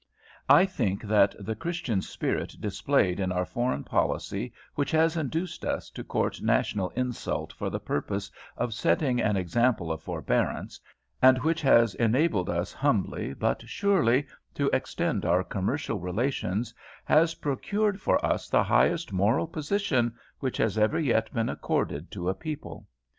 "T think that the Christian spirit displayed in our foreign policy which has induced us to court national insult for the purpose of setting an example of forbearance, and which has enabled us humbly but surely to extend our commercial relations, has procured for us the highest moral position which has ever yet been accorded to a people.